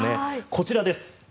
こちらです。